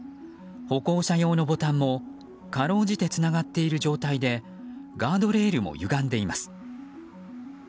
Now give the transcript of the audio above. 歩行者用のボタンもかろうじてつながっている状態でガードレールもゆがんでいます。